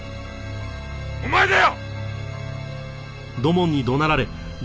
お前だよ！